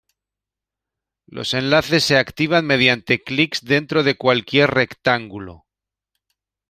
Los enlaces se activan mediante clics dentro de cualquier rectángulo.